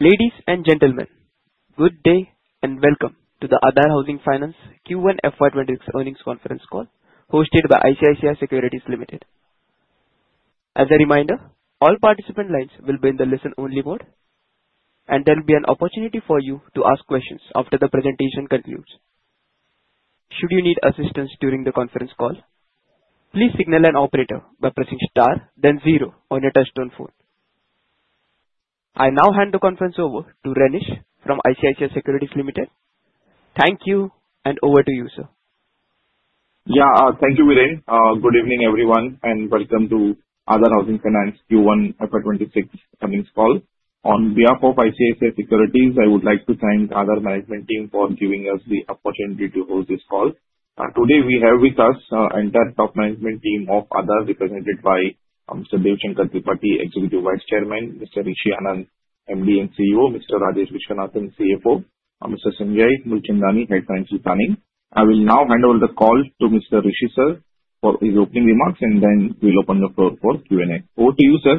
Ladies and gentlemen, good day and welcome to the Aadhar Housing Finance Q1 FY 2026 earnings conference call hosted by ICICI Securities Limited. As a reminder, all participant lines will be in the listen-only mode, and there will be an opportunity for you to ask questions after the presentation concludes. Should you need assistance during the conference call, please signal an operator by pressing star then zero on your touchtone phone. I now hand the conference over to Ramesh from ICICI Securities Limited. Thank you and over to you, sir. Yeah, thank you, Vire. Good evening, everyone, and welcome to Aadhar Housing Finance Q1 FY2026 earnings call. On behalf of ICICI Securities Limited, I would like to thank the Aadhar Management Team for giving us the opportunity to host this call. Today, we have with us the entire top management team of Aadhar, represented by Mr. Dev Shankar Tripathi, Executive Vice Chairman, Mr. Rishi Anand, MD and CEO, Mr. Rajesh Viswanathan, Chief Financial Officer, and Mr. Sanjay Moolchandani, Head of Financial Planning. I will now hand over the call to Mr. Rishi, sir, for his opening remarks, and then we'll open the floor for Q&A. Over to you, sir.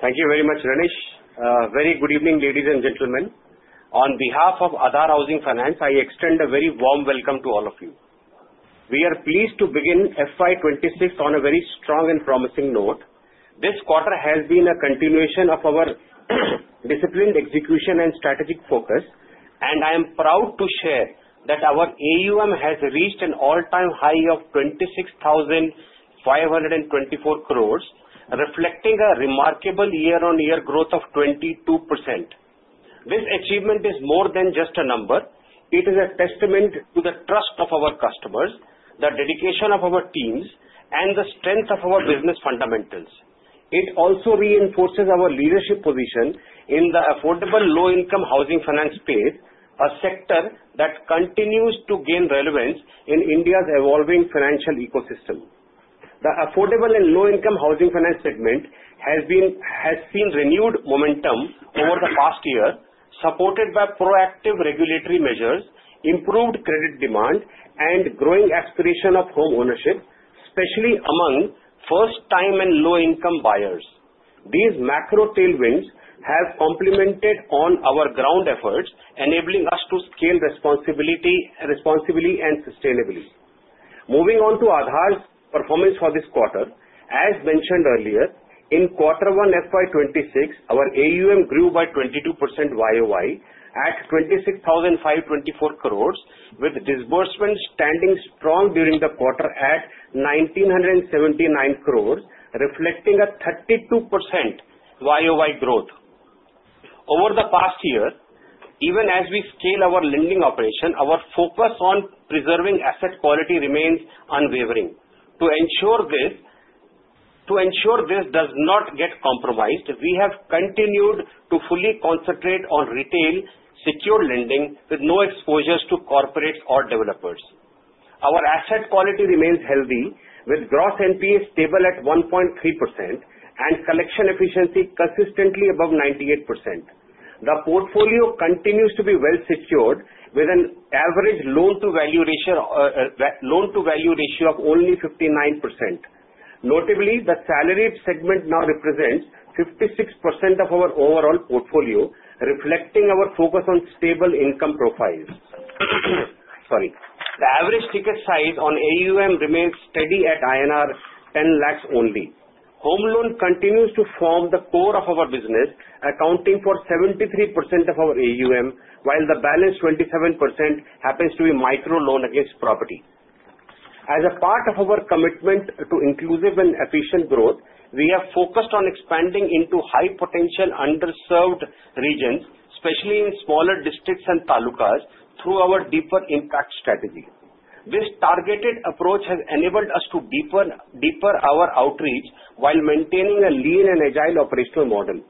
Thank you very much, Ramesh. Very good evening, ladies and gentlemen. On behalf of Aadhar Housing Finance, I extend a very warm welcome to all of you. We are pleased to begin FY 2026 on a very strong and promising note. This quarter has been a continuation of our disciplined execution and strategic focus, and I am proud to share that our AUM has reached an all-time high of 26,524 crore, reflecting a remarkable year-over-year growth of 22%. This achievement is more than just a number; it is a testament to the trust of our customers, the dedication of our teams, and the strength of our business fundamentals. It also reinforces our leadership position in the affordable low-income housing finance space, a sector that continues to gain relevance in India's evolving financial ecosystem. The affordable and low-income housing finance segment has seen renewed momentum over the past year, supported by proactive regulatory measures, improved credit demand, and growing aspiration of home ownership, especially among first-time and low-income buyers. These macro tailwinds have complemented our ground efforts, enabling us to scale responsibly and sustainably. Moving on to Aadhar's performance for this quarter, as mentioned earlier, in Q1 FY 2026, our AUM grew by 22% year-over-year at 26,524 crore, with disbursements standing strong during the quarter at 1,979 crore, reflecting a 32% year-over-year growth. Over the past year, even as we scale our lending operation, our focus on preserving asset quality remains unwavering. To ensure this does not get compromised, we have continued to fully concentrate on retail secured lending with no exposures to corporates or developers. Our asset quality remains healthy, with Gross NPA stable at 1.3% and collection efficiency consistently above 98%. The portfolio continues to be well-secured, with an average loan-to-value ratio of only 59%. Notably, the salaried segment now represents 56% of our overall portfolio, reflecting our focus on stable income profiles. The average ticket size on AUM remains steady at INR 10 lakh only. Home loans continue to form the core of our business, accounting for 73% of our AUM, while the balance 27% happens to be micro loans against property. As a part of our commitment to inclusive and efficient growth, we have focused on expanding into high-potential underserved regions, especially in smaller districts and talukas, through our deeper impact strategy. This targeted approach has enabled us to deepen our outreach while maintaining a lean and agile operational model.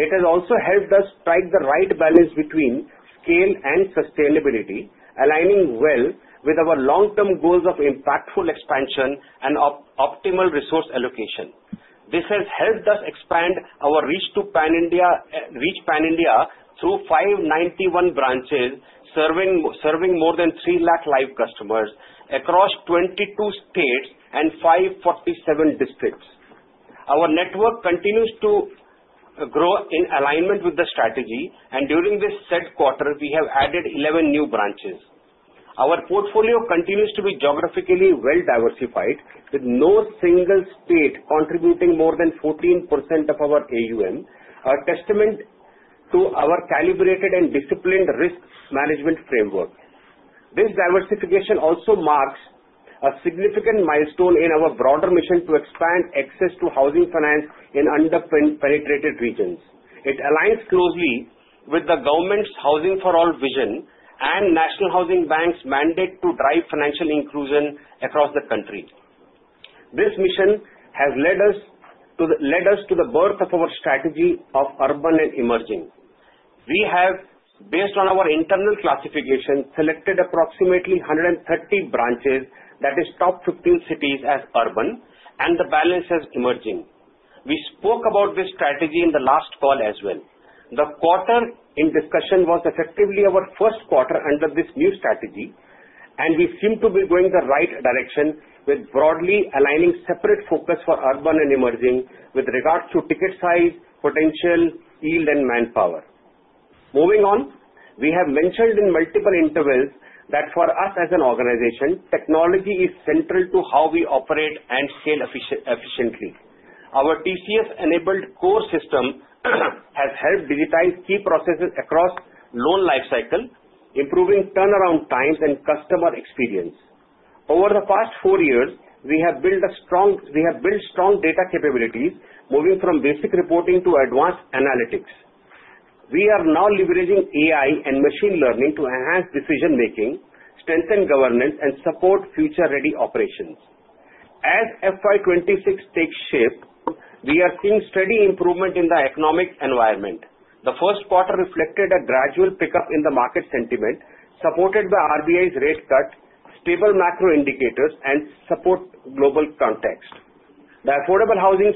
It has also helped us strike the right balance between scale and sustainability, aligning well with our long-term goals of impactful expansion and optimal resource allocation. This has helped us expand our reach to pan India through 591 branches, serving more than 300,000 live customers across 22 states and 547 districts. Our network continues to grow in alignment with the strategy, and during this third quarter, we have added 11 new branches. Our portfolio continues to be geographically well-diversified, with no single state contributing more than 14% of our AUM, a testament to our calibrated and disciplined risk management framework. This diversification also marks a significant milestone in our broader mission to expand access to housing finance in underpenetrated regions. It aligns closely with the government's Housing for All vision and National Housing Bank's mandate to drive financial inclusion across the country. This mission has led us to the birth of our strategy of urban and emerging. We have, based on our internal classification, selected approximately 130 branches that are top 50 cities as urban, and the balance is emerging. We spoke about this strategy in the last call as well. The quarter in discussion was effectively our first quarter under this new strategy, and we seem to be going in the right direction with broadly aligning separate focus for urban and emerging with regards to ticket size, potential yield, and manpower. Moving on, we have mentioned in multiple intervals that for us as an organization, technology is central to how we operate and scale efficiently. Our TCS-enabled core system has helped digitize key processes across loan lifecycles, improving turnaround times and customer experience. Over the past four years, we have built strong data capabilities, moving from basic reporting to advanced analytics. We are now leveraging AI Machine Learning to enhance decision-making, strengthen governance, and support future-ready operations. As FY 2026 takes shape, we are seeing steady improvement in the economic environment. The first quarter reflected a gradual pickup in the market sentiment, supported by RBI's rate cut, stable macro indicators, and support global context. The affordable housing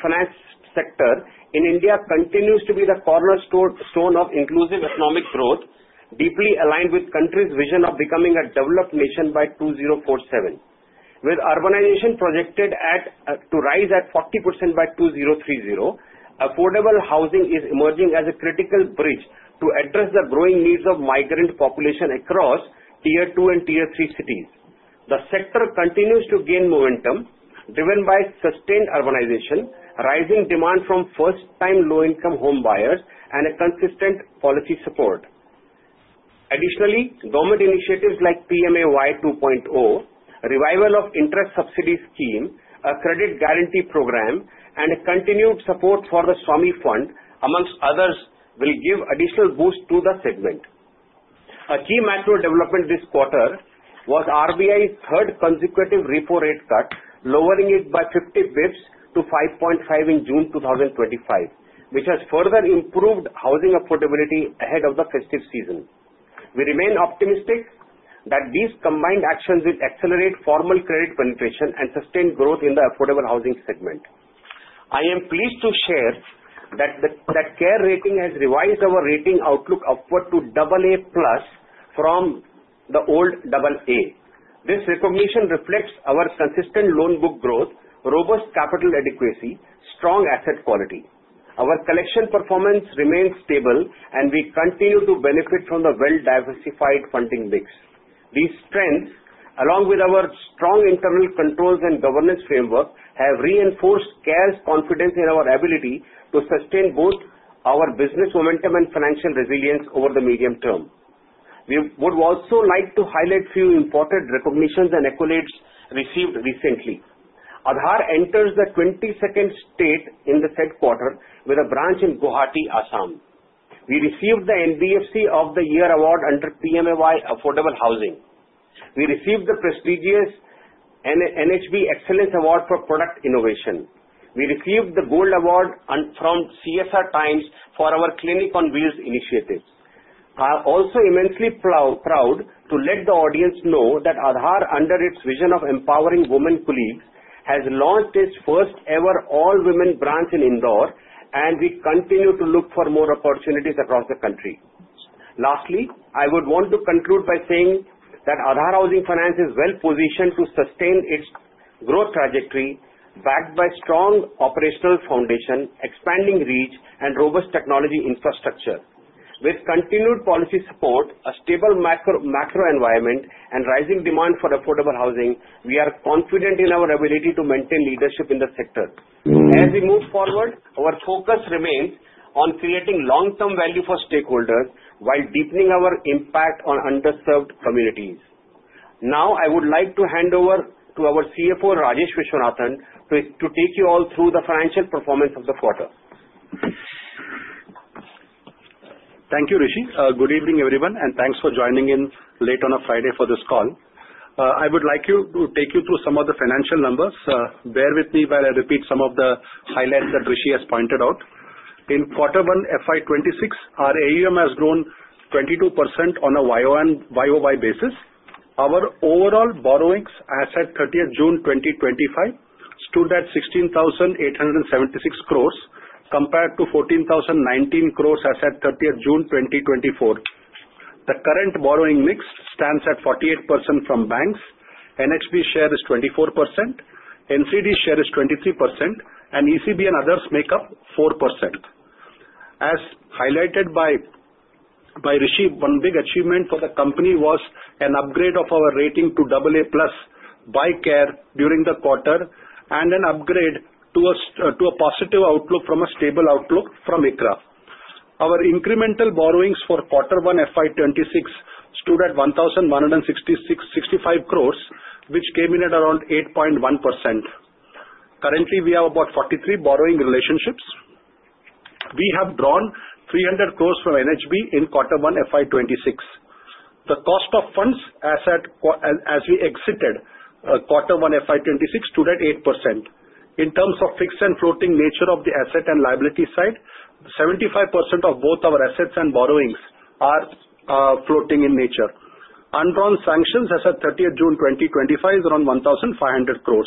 finance sector in India continues to be the cornerstone of inclusive economic growth, deeply aligned with the country's vision of becoming a developed nation by 2047. With urbanization projected to rise at 40% by 2030, affordable housing is emerging as a critical bridge to address the growing needs of migrant populations across Tier two and Tier three cities. The sector continues to gain momentum, driven by sustained urbanization, rising demand from first-time low-income home buyers, and consistent policy support. Additionally, government initiatives like PMAY 2.0, revival of interest subsidy schemes, a credit guarantee program, and continued support for the SWAMIH Fund, among others, will give additional boost to the segment. A key macro development this quarter was RBI's third consecutive repo rate cut, lowering it by 50 basis points to 5.5% in June 2025, which has further improved housing affordability ahead of the festive season. We remain optimistic that these combined actions will accelerate formal credit penetration and sustained growth in the affordable housing segment. I am pleased to share that the CARE Ratings has revised our rating outlook upward to AA+ from the old AA. This recognition reflects our consistent loan book growth, robust capital adequacy, and strong asset quality. Our collection performance remains stable, and we continue to benefit from the well-diversified funding mix. These strengths, along with our strong internal controls and governance framework, have reinforced CARE's confidence in our ability to sustain both our business momentum and financial resilience over the medium term. We would also like to highlight a few important recognitions and accolades received recently. Aadhar enters the 22nd state in the third quarter with a branch in Guwahati, Assam. We received the NBFC of the Year award under PMAY Affordable Housing. We received the prestigious NHB Excellence Award for Product Innovation. We received the Gold Award from CSR Times for our Clinic on Wheels initiative. I'm also immensely proud to let the audience know that Aadhar, under its vision of empowering women colleagues, has launched its first-ever all-women branch in Indore, and we continue to look for more opportunities across the country. Lastly, I would want to conclude by saying that Aadhar Housing Finance is well-positioned to sustain its growth trajectory, backed by a strong operational foundation, expanding reach, and robust technology infrastructure. With continued policy support, a stable macro environment, and rising demand for affordable housing, we are confident in our ability to maintain leadership in the sector. As we move forward, our focus remains on creating long-term value for stakeholders while deepening our impact on underserved communities. Now, I would like to hand over to our CFO, Rajesh Viswanathan, to take you all through the financial performance of the quarter. Thank you, Rishi. Good evening, everyone, and thanks for joining in late on a Friday for this call. I would like to take you through some of the financial numbers. Bear with me while I repeat some of the highlights that Rishi has pointed out. In Q1 FY 2026, our AUM has grown 22% on a year-over-year basis. Our overall borrowings as at June 30, 2025, stood at 16,876 crore compared to 14,019 crore as at June 30, 2024. The current borrowing mix stands at 48% from banks, NHB shares 24%, NCD shares 23%, and ECB and others make up 4%. As highlighted by Rishi, one big achievement for the company was an upgrade of our rating to AA+ by CARE during the quarter and an upgrade to a positive outlook from a stable outlook from ICRA. Our incremental borrowings for Q1 FY 2026 stood at INR 1,166.65 crore, which came in at around 8.1%. Currently, we have about 43 borrowing relationships. We have drawn 300 crore from NHB in Q1 FY 2026. The cost of funds as we exited Q1 FY 2026 stood at 8%. In terms of fixed and floating nature of the asset and liability side, 75% of both our assets and borrowings are floating in nature. Undrawn sanctions as at June 30, 2025, is around 1,500 crore.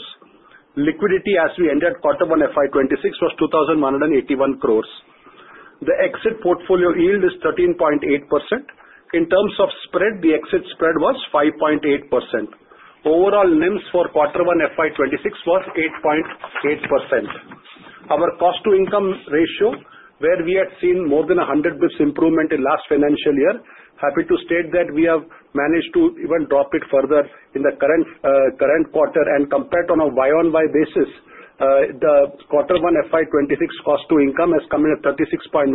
Liquidity as we entered Q1 FY 2026 was 2,181 crore. The exit portfolio yield is 13.8%. In terms of spread, the exit spread was 5.8%. Overall NIMs for Q1 FY 2026 was 8.8%. Our cost-to-income ratio, where we had seen more than 100 basis points improvement in last financial year, happy to state that we have managed to even drop it further in the current quarter and compared on a year-over-year basis. The Q1 FY 2026 cost-to-income has come in at 36.1%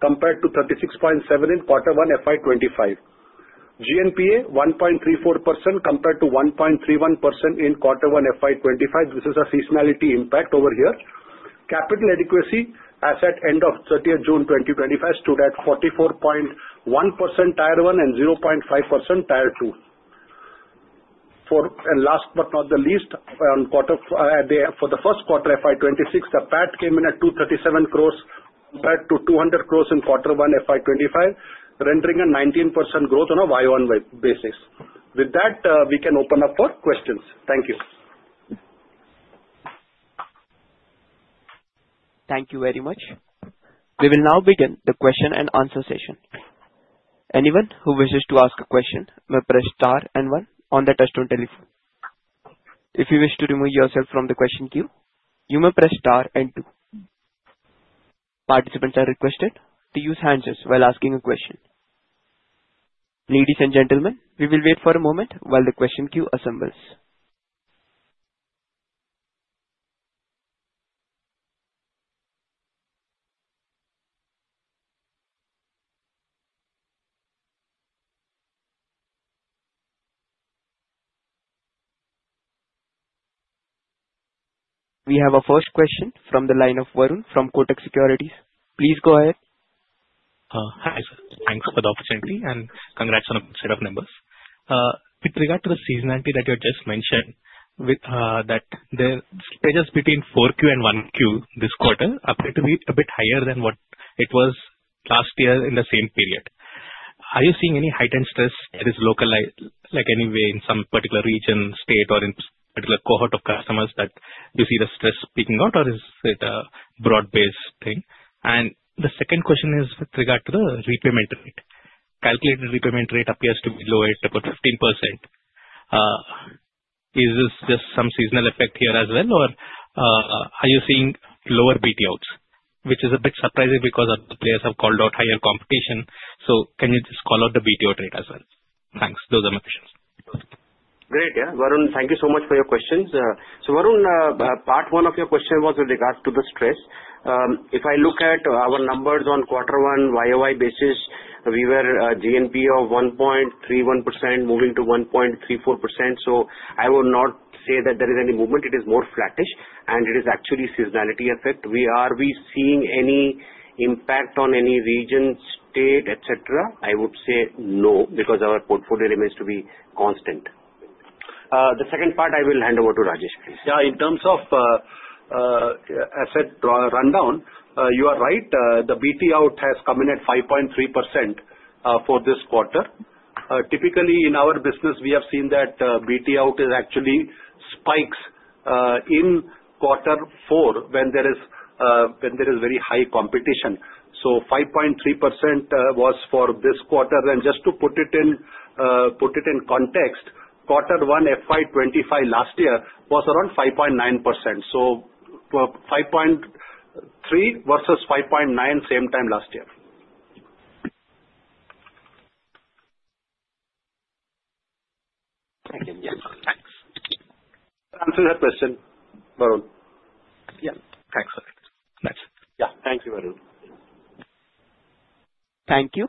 compared to 36.7% in Q1 FY 2025. GNPA 1.34% compared to 1.31% in Q1 FY 2025. This is a seasonality impact over here. Capital adequacy as at the end of June 30, 2025, stood at 44.1% Tier 1 and 0.5% Tier 2. Last but not the least, on the first quarter FY 2026, the PAT came in at 237 crore compared to 200 crore in Q1 FY 2025, rendering a 19% growth on a year-over-year basis. With that, we can open up for questions. Thank you. Thank you very much. We will now begin the question and answer session. Anyone who wishes to ask a question may press star and one on the touchtone telephone. If you wish to remove yourself from the question queue, you may press star and two. Participants are requested to use hand gestures while asking a question. Ladies and gentlemen, we will wait for a moment while the question queue assembles. We have our first question from the line of Varun from Kotak Securities. Please go ahead. Hi, sir. Thanks for the opportunity and congrats on a good set of numbers. With regard to the seasonality that you had just mentioned, that the stages between 4Q and 1Q this quarter appear to be a bit higher than what it was last year in the same period. Are you seeing any heightened stress? Is this localized in any way in some particular region, state, or in a particular cohort of customers that you see the stress peaking out, or is it a broad-based thing? The second question is with regard to the repayment rate. The calculated repayment rate appears to be low at about 15%. Is this just some seasonal effect here as well, or are you seeing lower BTOs? Which is a bit surprising because the players have called out higher competition. Can you just call out the BTO rate as well? Thanks. Those are my questions. Great. Yeah, Varun, thank you so much for your questions. Varun, part one of your question was with regards to the stress. If I look at our numbers on Q1 year-over-year basis, we were GNPA of 1.31% moving to 1.34%. I would not say that there is any movement. It is more flattish, and it is actually a seasonality effect. Are we seeing any impact on any region, state, et cetera? I would say no because our portfolio remains to be constant. The second part I will hand over to Rajesh, please. Yeah, in terms of asset rundown, you are right. The BTO has come in at 5.3% for this quarter. Typically, in our business, we have seen that BTO actually spikes in quarter 4 when there is very high competition. 5.3% was for this quarter. Just to put it in context, Q1 FY 2025 last year was around 5.9%. 5.3% versus 5.9% same time last year. Thanks. Answer that question, Varun. Yeah, thanks, sir. Thank you.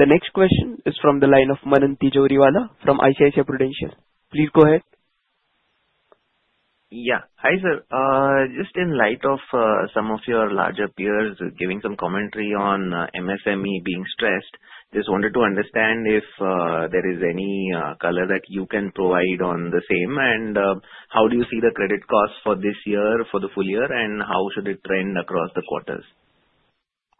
The next question is from the line of Manan Tijoriwala from ICICI Prudential. Please go ahead. Yeah. Hi, sir. Just in light of some of your larger peers giving some commentary on MSME being stressed, just wanted to understand if there is any color that you can provide on the same, and how do you see the credit costs for this year, for the full year, and how should it trend across the quarters?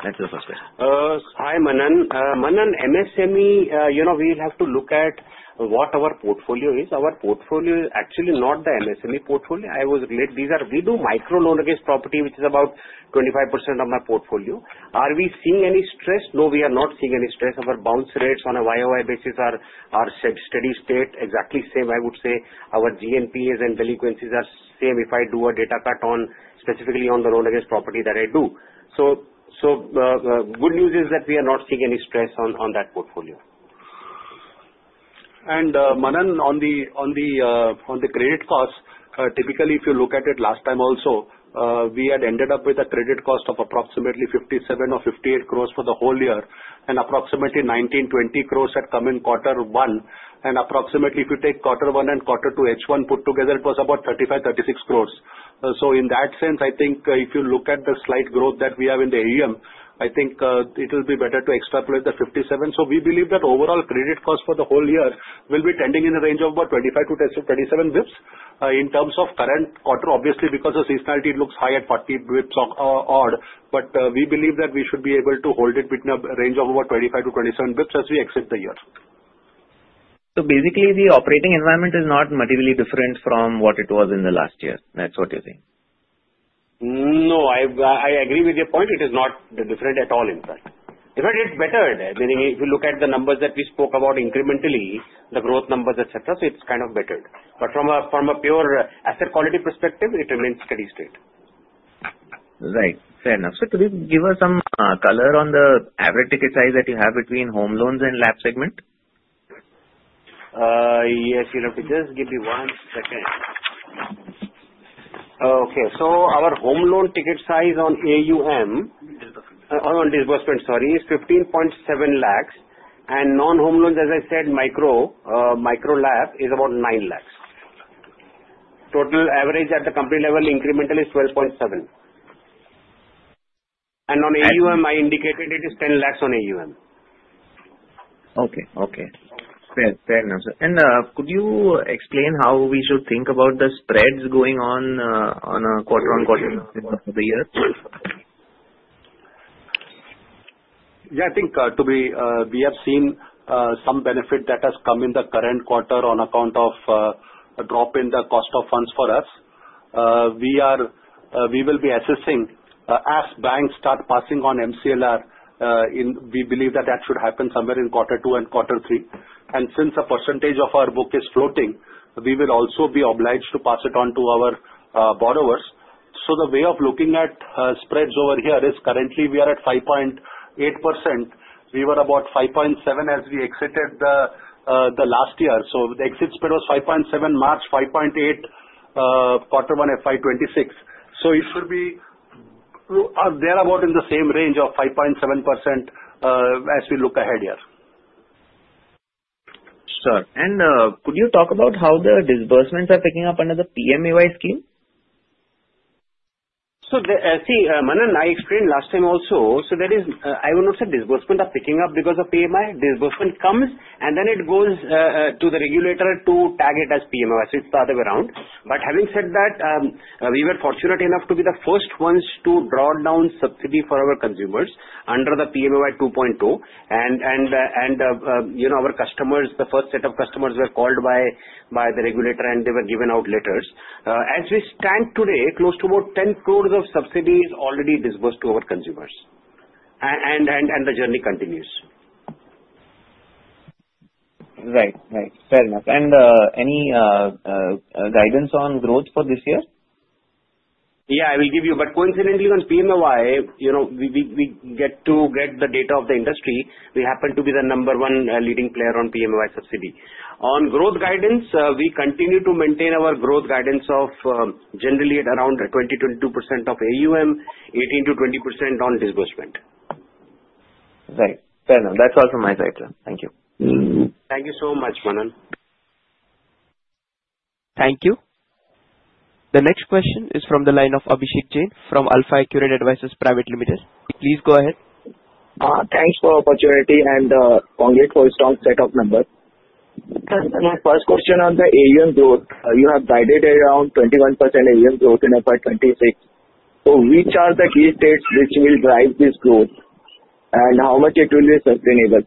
That's the first question. Hi, Manan. Manan, MSME, you know we'll have to look at what our portfolio is. Our portfolio is actually not the MSME portfolio. I was related. We do micro loans against property, which is about 25% of my portfolio. Are we seeing any stress? No, we are not seeing any stress. Our bounce rates on a year-over-year basis are steady, stayed exactly the same. I would say our GNPAs and delinquencies are the same. If I do a data pattern specifically on the loan against property that I do, the good news is that we are not seeing any stress on that portfolio. Manan, on the credit costs, typically, if you look at it last time also, we had ended up with a credit cost of approximately 57 crore or 58 crore for the whole year, and approximately 19 crore, 20 crore had come in Q1. If you take Q1 and Q2, H1 put together, it was about 35 crore, 36 crore. In that sense, I think if you look at the slight growth that we have in the AUM, I think it will be better to extrapolate the 57. We believe that overall credit costs for the whole year will be trending in the range of about 25% to 27 basis points in terms of current quarter. Obviously, because of seasonality, it looks high at 40 basis points odd. We believe that we should be able to hold it within a range of about 25% to 27 basis points as we exit the year. Basically, the operating environment is not materially different from what it was in the last year. That's what you're saying? No, I agree with your point. It is not different at all, in fact. In fact, it's better. If you look at the numbers that we spoke about incrementally, the growth numbers, etc., it's kind of better. From a pure asset quality perspective, it remains steady, steady. Right. Fair enough. Can you give us some color on the average ticket size that you have between home loans and segment? Yes, if you just give me one second. Okay. Our home loan ticket size on AUM, on disbursement, sorry, is 15.7 lakhs. Non-home loans, as I said, micro loan is about lakhs. Total average at the company level incrementally is 12.7 lakhs. On AUM, I indicated it is 10 lakhs on AUM. Okay. Fair enough, sir. Could you explain how we should think about the spreads going on a quarter on quarter in the year? Yeah, I think we have seen some benefit that has come in the current quarter on account of a drop in the cost of funds for us. We will be assessing as banks start passing on MCLR. We believe that should happen somewhere in Q2 and Q3. Since a percentage of our book is floating, we will also be obliged to pass it on to our borrowers. The way of looking at spreads over here is currently we are at 5.8%. We were about 5.7% as we exited last year. The exit spread was 5.7%, March 5.8%, Q1 FY 2026. It should be there about in the same range of 5.7% as we look ahead here. Could you talk about how the disbursements are picking up under the PMAY scheme? Manan, I explained last time also. I would not say disbursements are picking up because of PMAY. Disbursement comes, and then it goes to the regulator to tag it as PMAY. It's the other way around. Having said that, we were fortunate enough to be the first ones to draw down subsidy for our consumers under the PMAY 2.0. Our customers, the first set of customers, were called by the regulator, and they were given out letters. As we stand today, close to about 10 crore of subsidy is already disbursed to our consumers, and the journey continues. Right. Right. Fair enough. Any guidance on growth for this year? Yeah, I will give you. Coincidentally, on PMAY, you know, we get to get the data of the industry. We happen to be the number one leading player on PMAY subsidy. On growth guidance, we continue to maintain our growth guidance of generally at around 20%-22% of AUM, 18%-20% on disbursement. Right. Fair enough. That's all from my side, sir. Thank you. Thank you so much, Manan. Thank you. The next question is from the line of Abhishek Jain from AlfAccurate Advisors Private Limited. Please go ahead. Thanks for the opportunity and congrats for a strong set of numbers. First question on the AUM growth. You have guided around 21% AUM growth in FY 2026. Which are the key states which will drive this growth? How much will it be sustainable?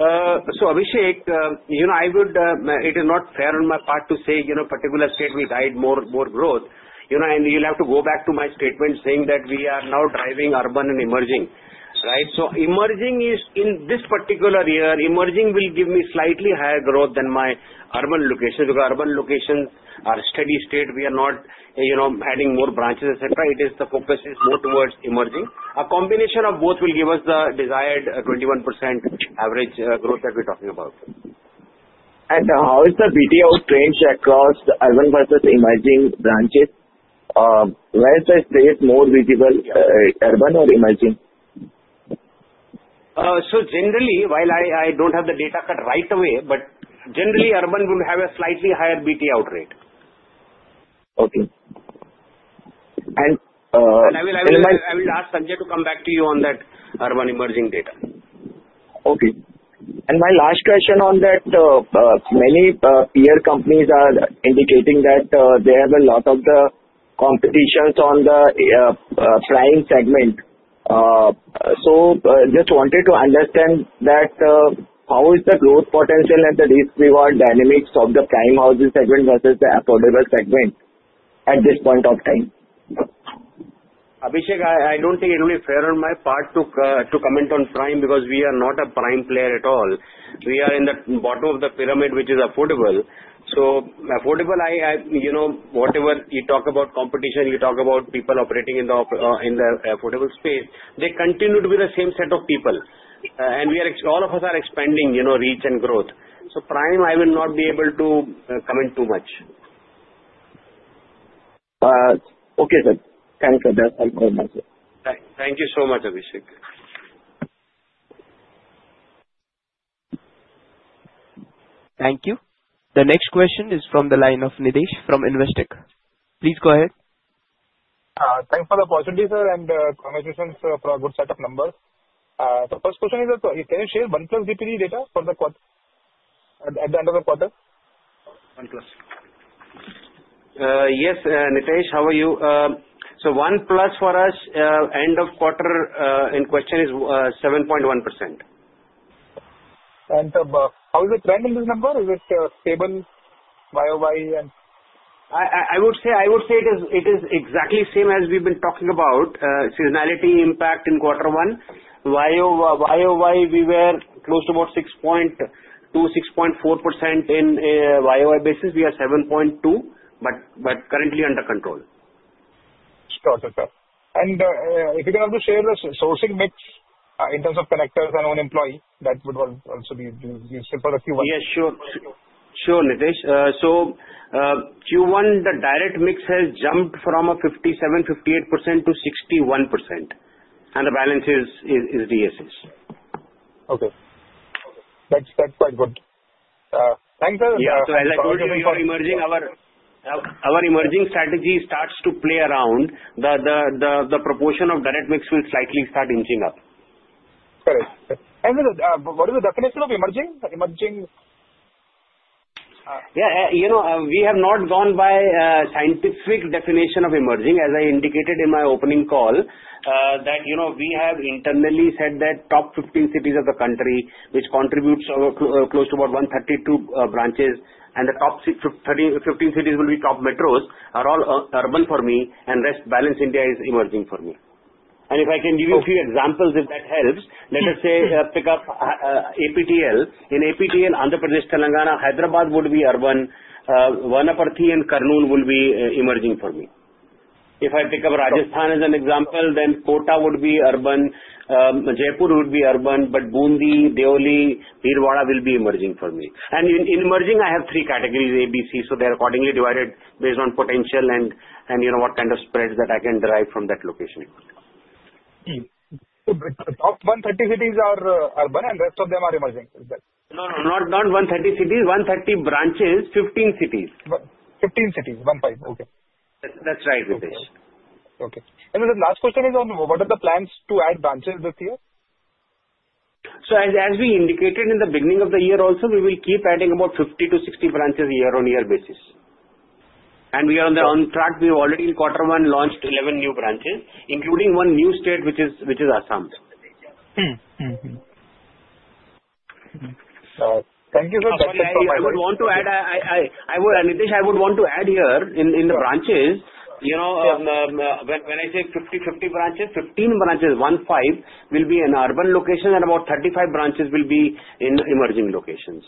Abhishek, it is not fair on my part to say a particular state will guide more growth. You'll have to go back to my statement saying that we are now driving urban and emerging, right? Emerging is, in this particular year, emerging will give me slightly higher growth than my urban locations because urban locations are steady state. We are not adding more branches, etc. The focus is more towards emerging. A combination of both will give us the desired 21% average growth that we're talking about. How is the BTO range across the urban versus emerging branches? Where does it stay more visible, urban or emerging? Generally, while I don't have the data cut right away, urban would have a slightly higher BTO rate. Okay. I will ask Sanjay to come back to you on that urban and emerging data. Okay. My last question on that, many peer companies are indicating that they have a lot of the competition in the prime segment. I just wanted to understand how is the growth potential and the risk-reward dynamics of the prime housing segment versus the affordable segment at this point of time? Abhishek, I don't think it will be fair on my part to comment on prime because we are not a prime player at all. We are in the bottom of the pyramid, which is affordable. Whatever you talk about competition, you talk about people operating in the affordable space, they continue to be the same set of people. We are, all of us are expanding reach and growth. Prime, I will not be able to comment too much. Okay, sir. Thanks, sir. I'll comment. Thank you so much, Abhishek. Thank you. The next question is from the line of Nitesh from InvesTech. Please go ahead. Thanks for the opportunity, sir, and congratulations for a good set of numbers. The first question is, can you share 1+ DPD data for the quarter at the end of the quarter? 1+. Yes, Nitesh, how are you? One plus for us, end of quarter in question is 7.1%. How is the trend in this number? Is it stable year-over-year? I would say it is exactly the same as we've been talking about. Seasonality impact in quarter one. year-over-year, we were close to about 6.2%-6.4% on a year-over-year basis. We are 7.2%, but currently under control. Sure. If you can also share the sourcing mix in terms of collectors and own employee, that would also be useful for the Q1. Yeah, sure. Nitesh, Q1, the direct mix has jumped from 57%, 58% to 61%, and the balance is reassessed. Okay, that's quite good. Thanks, sir. Yeah, as I told you, for emerging, our emerging strategy starts to play around. The proportion of direct mix will slightly start inching up. Correct. What is the definition of emerging? Yeah, you know, we have not gone by a scientific definition of emerging. As I indicated in my opening call, you know we have internally said that top 15 cities of the country, which contribute close to about 132 branches, and the top 15 cities will be top metros, are all urban for me. The rest balance India is emerging for me. If I can give you a few examples, if that helps, let us say pick up APTL. In APTL, Andhra Pradesh, Telangana, Hyderabad would be urban. Wanaparthy and Kurnool will be emerging for me. If I pick up Rajasthan as an example, then Kota would be urban. Jaipur would be urban. Bundi, Deoli, Veerawada will be emerging for me. In emerging, I have three categories, A, B, C. They're accordingly divided based on potential and, you know, what kind of spreads that I can derive from that location. Top 130 cities are urban and the rest of them are emerging. Is that? No, no, not 130 cities. 130 branches, 15 cities. 15 cities, one pipe. Okay. That's right, Nitesh. Okay. The last question is, what are the plans to add branches this year? As we indicated in the beginning of the year also, we will keep adding about 50-60 branches on a year-on-year basis. We are on track. We've already in quarter one launched 11 new branches, including one new state, which is Assam. Thank you so much. I would want to add here, Nitesh, in the branches, you know, when I say 50/50 branches, 15 branches will be in urban locations and about 35 branches will be in emerging locations.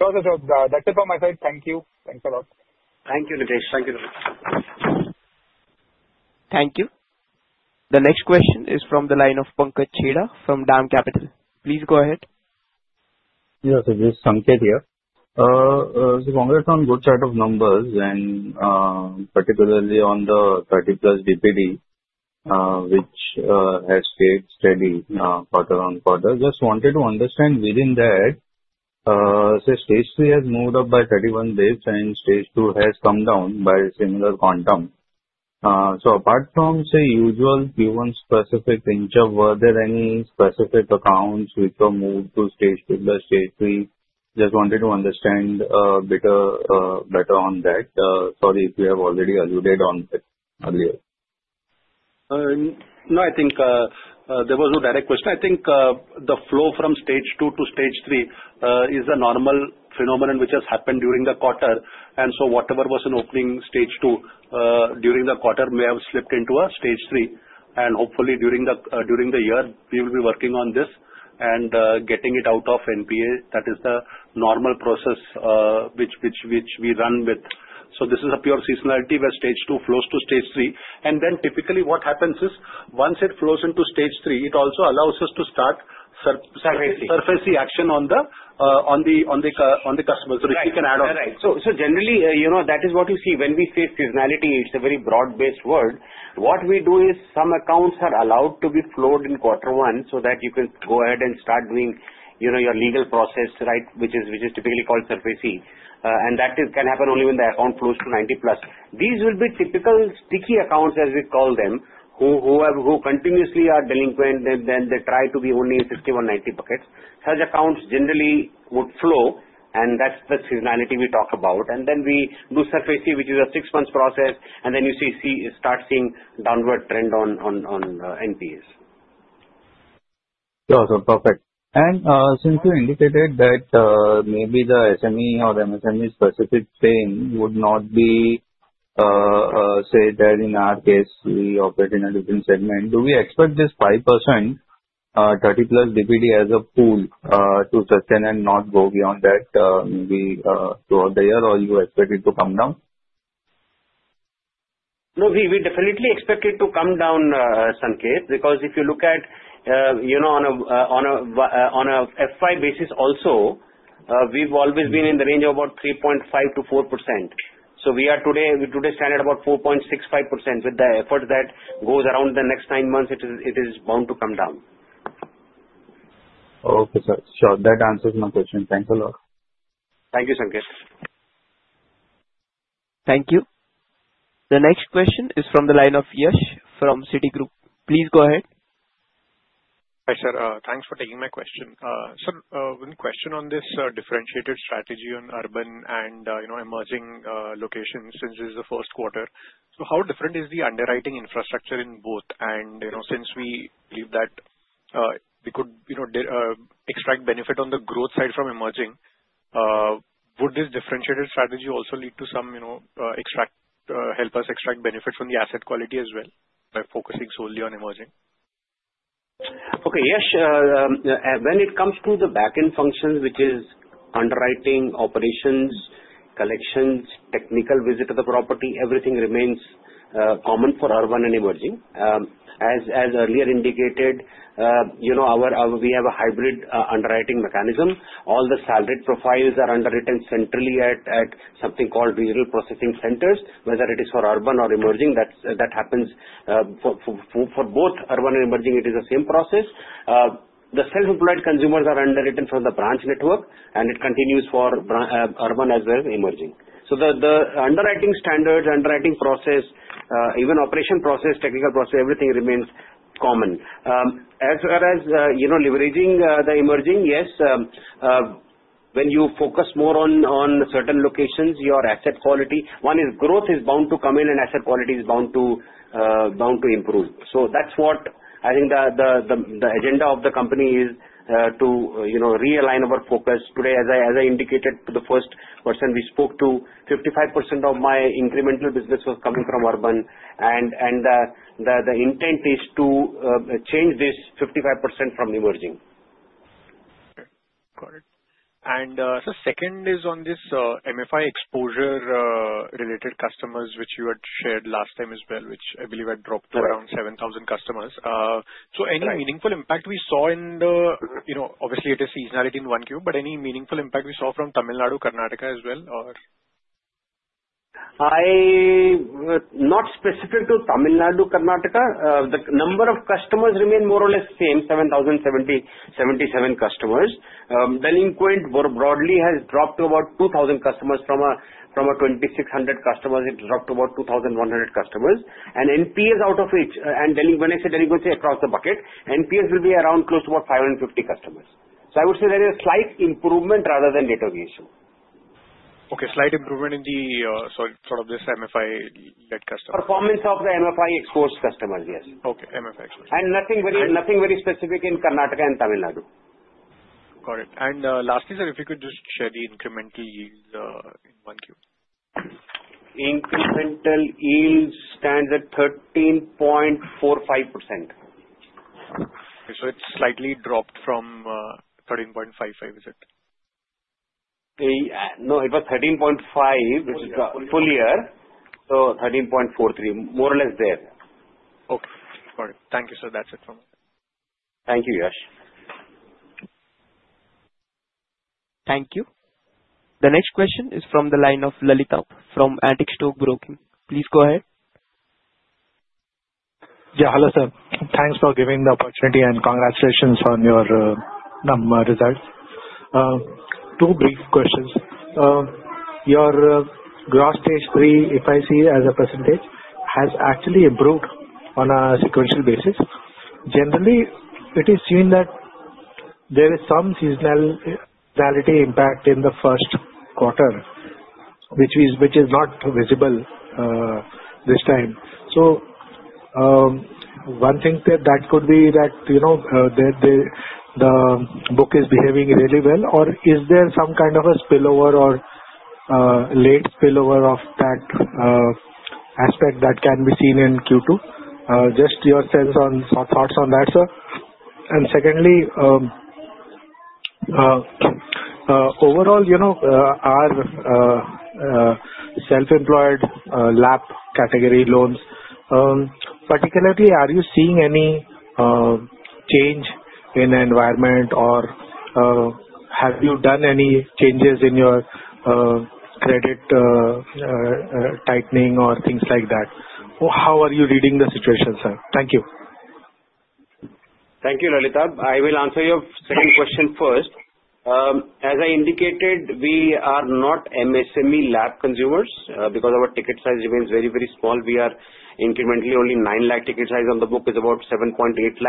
That's it from my side. Thank you. Thanks a lot. Thank you, Nitesh. Thank you. Thank you. The next question is from the line of Pankaj Cheeda from DAM Capital. Please go ahead. Yes, just a sunset here. Congrats on good set of numbers and particularly on the 30+ DPD, which has stayed steady quarter on quarter. Just wanted to understand within that, say, stage three has moved up by 31 basis points and stage two has come down by a similar quantum. Apart from, say, usual Q1 specific inch-up, were there any specific accounts which were moved to stage two plus stage three? Just wanted to understand a bit better on that. Sorry if you have already alluded on it earlier. No, I think there was no direct question. I think the flow from stage two to stage three is a normal phenomenon which has happened during the quarter. Whatever was an opening stage two during the quarter may have slipped into a stage three. Hopefully, during the year, we will be working on this and getting it out of NPA. That is the normal process which we run with. This is a pure seasonality where stage two flows to stage three. Typically, what happens is once it flows into stage three, it also allows us to start SARFAESI action on the customers. Yeah, I can add on. Right. Generally, you know, that is what you see. When we say seasonality, it's a very broad-based word. What we do is some accounts are allowed to be flowed in quarter one so that you could go ahead and start doing your legal process, which is typically called SARFAESI. That can happen only when the account flows to 90+. These will be typical sticky accounts, as we call them, who continuously are delinquent and then they try to be only 60 or 90 buckets. Such accounts generally would flow, and that's the seasonality we talk about. We do SARFAESI, which is a six-month process, and then you start seeing a downward trend on NPAs. Yeah, perfect. Since you indicated that maybe the SME or the MSME-specific thing would not be said that in our case, we operate in a different segment, do we expect this 5% 30+ DPD as a pool to sustain and not go beyond that throughout the year, or do you expect it to come down? No, we definitely expect it to come down, Sanjay, because if you look at, you know, on a FY basis also, we've always been in the range of about 3.5%-4%. We are today standard about 4.65%. With the effort that goes around the next nine months, it is bound to come down. Okay, sir. Sure. That answers my question. Thanks a lot. Thank you, Pankaj. Thank you. The next question is from the line of Yash from Citigroup. Please go ahead. Hi, sir. Thanks for taking my question. Sir, one question on this differentiated strategy on urban and, you know, emerging locations since this is the first quarter. How different is the underwriting infrastructure in both? Since we believe that we could extract benefit on the growth side from emerging, would this differentiated strategy also lead to some help us extract benefit from the asset quality as well by focusing solely on emerging? Okay, Yash, when it comes to the backend functions, which is underwriting, operations, collections, technical visit to the property, everything remains common for urban and emerging. As earlier indicated, we have a hybrid underwriting mechanism. All the salaried profiles are underwritten centrally at something called regional processing centers, whether it is for urban or emerging. That happens for both urban and emerging. It is the same process. The self-employed consumers are underwritten from the branch network, and it continues for urban as well as emerging. The underwriting standards, underwriting process, even operation process, technical process, everything remains common. As far as leveraging the emerging, yes, when you focus more on certain locations, your asset quality, one is growth is bound to come in and asset quality is bound to improve. That's what I think the agenda of the company is to realign our focus. Today, as I indicated to the first person we spoke to, 55% of my incremental business was coming from urban. The intent is to change this 55% from emerging. Got it. The second is on this MFI exposure-related customers, which you had shared last time as well, which I believe had dropped to around 7,000 customers. Any meaningful impact we saw in the, you know, obviously, it is seasonality in one queue, any meaningful impact we saw from Tamil Nadu, Karnataka as well? Not specific to Tamil Nadu, Karnataka. The number of customers remained more or less the same, 7,077 customers. Delinquent broadly has dropped to about 2,000 customers. From 2,600 customers, it dropped to about 2,100 customers. NPA out of each, and when I say delinquency across the bucket, NPA will be around close to about 550 customers. I would say there is a slight improvement rather than a recognition. Okay, slight improvement in the sort of this MFI-led customer. Performance of the MFI exposed customers, yes. Okay, MFI exposed. is nothing very specific in Karnataka and Tamil Nadu. Got it. Lastly, sir, if you could just share the incremental yield in Q1. Incremental yield stands at 13.45%. It's slightly dropped from 13.55, is it? No, it was 13.5%, which is the full year. So 13.43%, more or less there. Okay. Got it. Thank you, sir. That's it from me. Thank you, Yash. Thank you. The next question is from the line of Lalit from Antique Stock Broking. Please go ahead. Yeah, hello, sir. Thanks for giving the opportunity and congratulations on your number results. Two brief questions. Your gross stage 3 FIC as a % has actually improved on a sequential basis. Generally, it is seen that there is some seasonality impact in the first quarter, which is not visible this time. One thing that could be that, you know, the book is behaving really well, or is there some kind of a spillover or late spillover of that aspect that can be seen in Q2? Just your sense on thoughts on that, sir. Secondly, overall, you know, our self-employed LAP category loans, particularly, are you seeing any change in the environment, or have you done any changes in your credit tightening or things like that? How are you reading the situation, sir? Thank you. Thank you, Lalit. I will answer your second question first. As I indicated, we are not MSME LAP consumers because our ticket size remains very, very small. We are incrementally only 900,000 ticket size. On the book, it's about 780,000.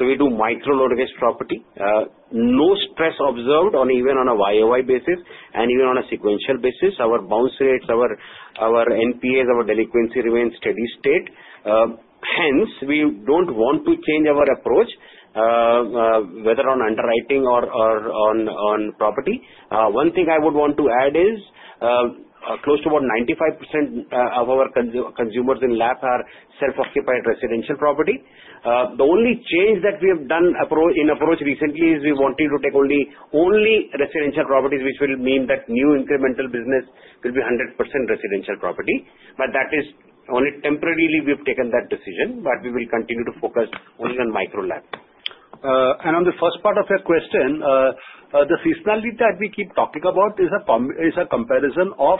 We do micro loans against property. No stress observed even on a year-over-year basis and even on a sequential basis. Our bounce rates, our NPAs, our delinquency remain steady state. Hence, we don't want to change our approach, whether on underwriting or on property. One thing I would want to add is close to about 95% of our consumers in LAP are self-occupied residential property. The only change that we have done in approach recently is we wanted to take only residential properties, which will mean that new incremental business will be 100% residential property. That is only temporarily we have taken that decision, but we will continue to focus only on micro LAP. On the first part of your question, the seasonality that we keep talking about is a comparison of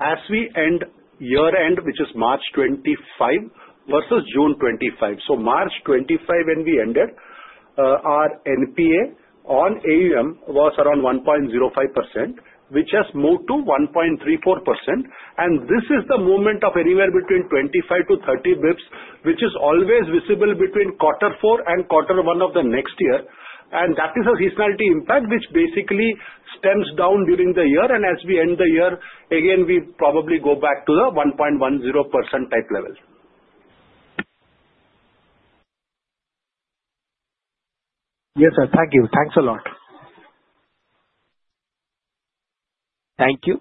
as we end year-end, which is March 2025 versus June 2025. March 2025, when we ended, our NPA on AUM was around 1.05%, which has moved to 1.34%. This is the movement of anywhere between 25-30 basis points, which is always visible between quarter four and quarter one of the next year. That is a seasonality impact, which basically stems down during the year. As we end the year, again, we probably go back to the 1.10% type level. Yes, sir. Thank you. Thanks a lot. Thank you.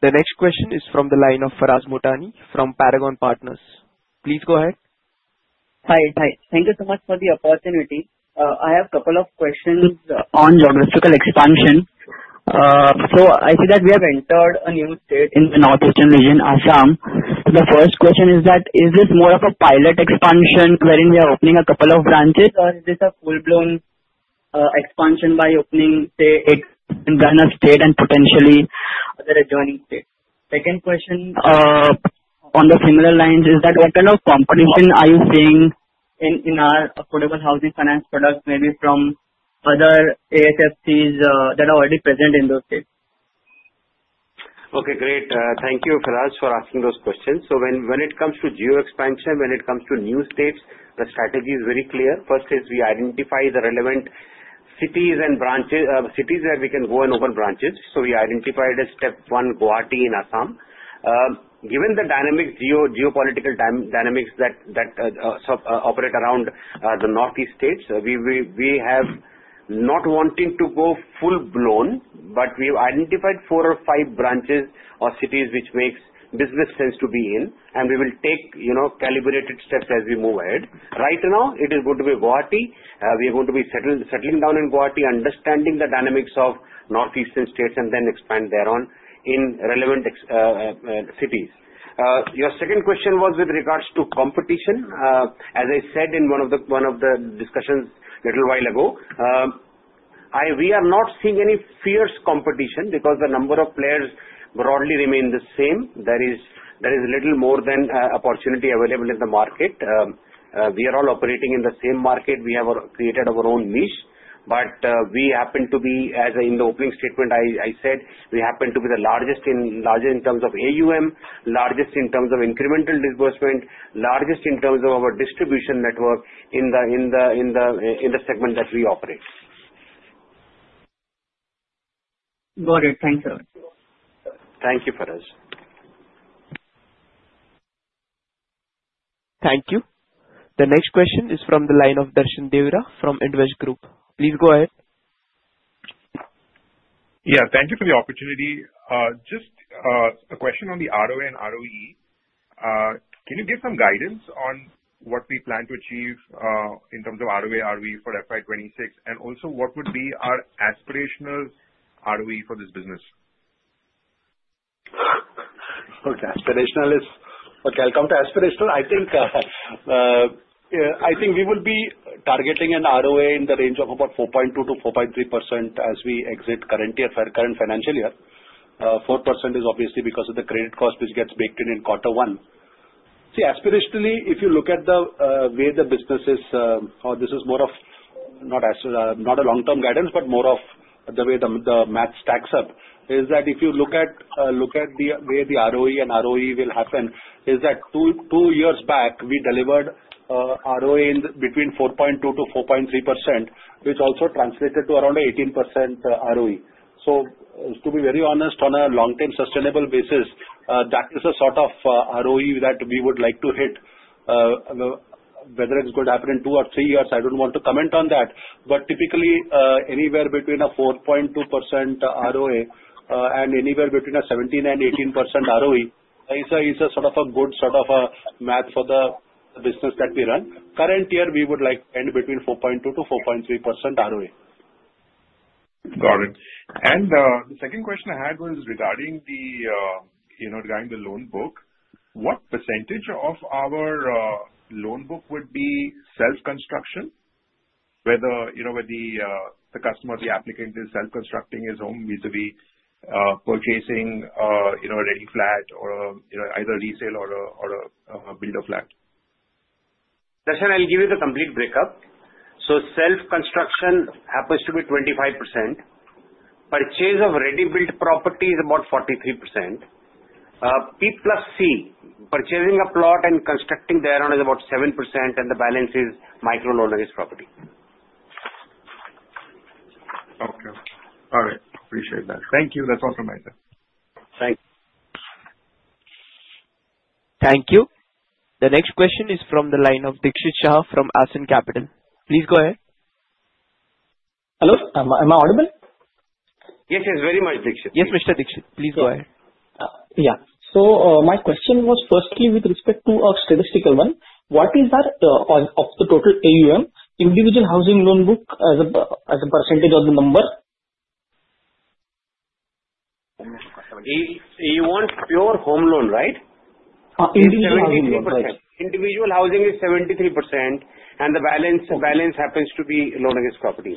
The next question is from the line of Faraz Motani from Paragon Partners. Please go ahead. Hi, thank you so much for the opportunity. I have a couple of questions on geographical expansion. I see that we have entered a new state in the northeastern region, Assam. The first question is, is it more of a pilot expansion wherein we are opening a couple of branches, or is this a full-blown expansion by opening, say, an external state and potentially the returning state? The second question along similar lines is, what kind of competition are you seeing in our affordable housing finance products, maybe from other HFCs that are already present in those states? Okay, great. Thank you, Faraz, for asking those questions. When it comes to geo-expansion, when it comes to new states, the strategy is very clear. First, we identify the relevant cities and branches, cities where we can go and open branches. We identified as step one, Guwahati, in Assam. Given the dynamics, geopolitical dynamics that operate around the northeast states, we have not wanted to go full-blown, but we have identified four or five branches or cities which make business sense to be in. We will take calibrated steps as we move ahead. Right now, it is going to be Guwahati. We are going to be settling down in Guwahati, understanding the dynamics of northeastern states, and then expand thereon in relevant cities. Your second question was with regards to competition. As I said in one of the discussions a little while ago, we are not seeing any fierce competition because the number of players broadly remains the same. There is a little more than opportunity available in the market. We are all operating in the same market. We have created our own niche. As in the opening statement I said, we happen to be the largest in terms of AUM, largest in terms of incremental disbursement, largest in terms of our distribution network in the segment that we operate. Got it. Thanks, sir. Thank you, Faraz. Thank you. The next question is from the line of Darshan Deora from Indvest Group. Please go ahead. Yeah, thank you for the opportunity. Just a question on the ROA and ROE. Can you give some guidance on what we plan to achieve in terms of ROA, ROE for FY 2026? Also, what would be our aspirational ROE for this business? Okay, aspirational is okay. I'll come to aspirational. I think we will be targeting an ROA in the range of about 4.2%-4.3% as we exit current year, current financial year. 4% is obviously because of the credit cost, which gets baked in in quarter one. Aspirationally, if you look at the way the business is, or this is more of not a long-term guidance, but more of the way the math stacks up, if you look at the way the ROA and ROE will happen, two years back, we delivered ROA in between 4.2%-4.3%, which also translated to around 18% ROE. To be very honest, on a long-term sustainable basis, that is a sort of ROE that we would like to hit. Whether it's going to happen in two or three years, I don't want to comment on that. Typically, anywhere between a 4.2% ROA and anywhere between a 17% and 18% ROE is a sort of a good sort of math for the business that we run. Current year, we would like to end between 4.2%-4.3% ROA. Got it. The second question I had was regarding the loan book. What percentage of our loan book would be self-construction, whether the customer, the applicant is self-constructing his home vis-à-vis purchasing a ready flat or either resale or a built flat? Darshan, I'll give you the complete breakup. Self-construction happens to be 25%. Purchase of ready-built property is about 43%. P+C, purchasing a plot and constructing thereon, is about 7%, and the balance is micro loans against property. Okay. Got it. Appreciate that. Thank you. That's awesome, sir. Thank you. Thank you. The next question is from the line of Dixit Shah from Ascent Capital. Please go ahead. Hello. Am I audible? Yes, yes, very much, Dixit. Yes, Mr. Dixit. Please go ahead. Yeah, my question was firstly with respect to a statistical one. What is that of the total AUM, individual housing loan book as a percentage of the number? You want pure home loan, right? Individual housing loan %. Individual housing is 73%, and the balance happens to be loan against property.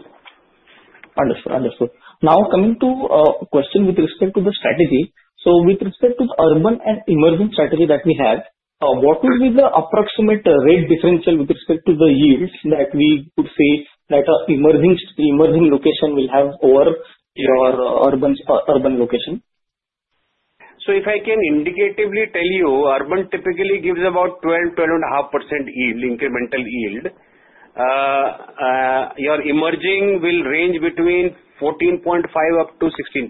Understood. Now, coming to a question with respect to the strategy. With respect to the urban and emerging strategy that we have, what will be the approximate rate differential with respect to the yields that we would say that an emerging location will have over your urban location? If I can indicatively tell you, urban typically gives about 12.5% incremental yield. Your emerging will range between 14.5% up to 16%.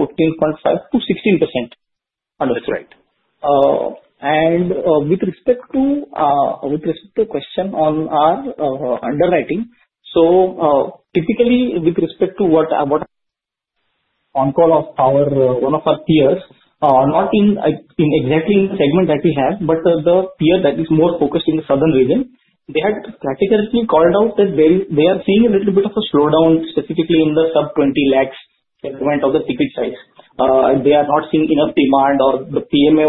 14.5%-16%. Understood. That's right. With respect to the question on our underwriting, typically, with respect to what I'm on call of one of our peers, not exactly in the segment that we have, but the peer that is more focused in the southern region, they have categorically called out that they are seeing a little bit of a slowdown, specifically in the sub 20 lakhs increment of the ticket size. They are not seeing enough demand, or the PMAY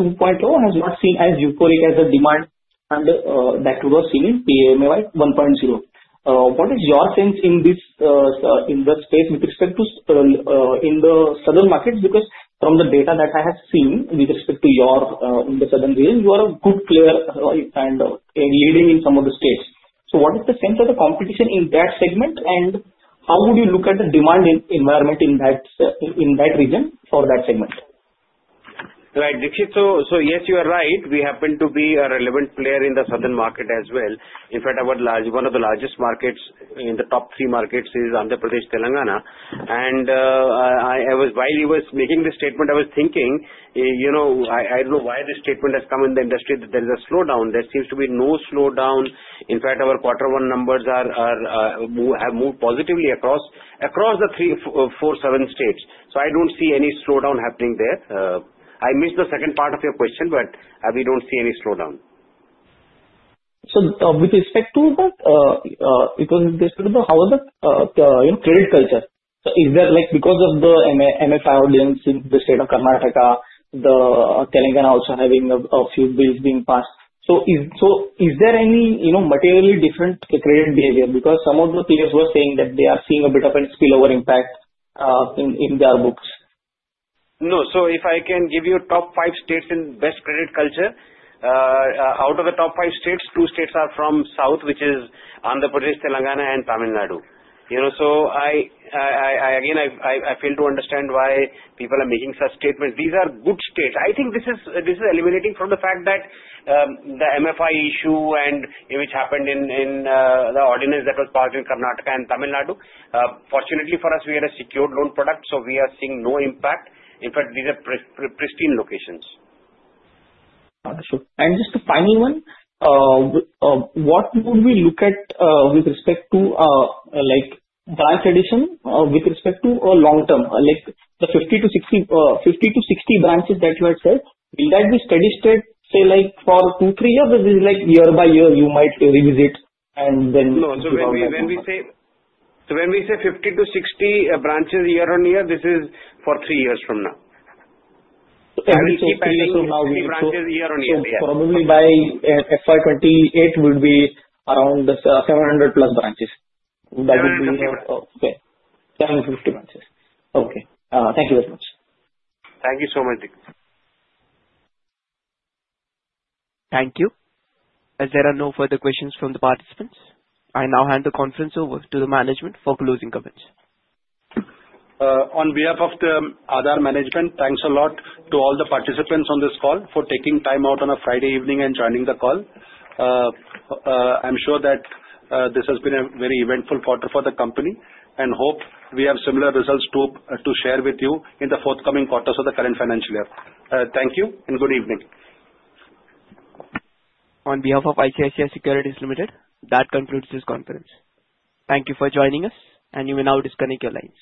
2.0 has not seen as euphoric as the demand that was seen in PMAY 1.0. What is your sense in this space with respect to the southern markets? From the data that I have seen with respect to your presence in the southern region, you are a good player and leading in some of the states. What is the sense of the competition in that segment, and how would you look at the demand environment in that region for that segment? Right, Dixit. Yes, you are right. We happen to be a relevant player in the southern market as well. In fact, one of the largest markets in the top three markets is Andhra Pradesh, Telangana. While he was making this statement, I was thinking, you know, I don't know why this statement has come in the industry that there is a slowdown. There seems to be no slowdown. In fact, our quarter one numbers have moved positively across the three, four, seven states. I don't see any slowdown happening there. I missed the second part of your question, but we don't see any slowdown. With respect to that, how was the credit culture? Is there, like, because of the MSME audience in the state of Karnataka, Telangana also having a few bills being passed, is there any, you know, materially different credit behavior? Some of the peers were saying that they are seeing a bit of a spillover impact in their books. If I can give you a top five states in best credit culture, out of the top five states, two states are from south, which is Andhra Pradesh, Telangana, and Tamil Nadu. I fail to understand why people are making such statements. These are good states. I think this is eliminating from the fact that the MFI issue and which happened in the ordinance that was passed in Karnataka and Tamil Nadu. Fortunately for us, we are a secured loan product, so we are seeing no impact. In fact, these are pristine locations. Understood. Just the final one, what would we look at with respect to branch addition with respect to long term? The 50-60 branches that you had said, will that be steady state, say, for two, three years, or is it year by year you might revisit and then? No, when we say 50-60 branches year on year, this is for three years from now. Add 50-60 branches year on year. Probably by FY 2028 would be around the 700+ branches. That would be okay. 750 branches. Okay, thank you very much. Thank you so much, Dixit. Thank you. As there are no further questions from the participants, I now hand the conference over to the management for closing comments. On behalf of the Aadhar management, thanks a lot to all the participants on this call for taking time out on a Friday evening and joining the call. I'm sure that this has been a very eventful quarter for the company, and hope we have similar results to share with you in the forthcoming quarters of the current financial year. Thank you and good evening. On behalf of ICICI Securities Limited, that concludes this conference. Thank you for joining us, and you may now disconnect your lines.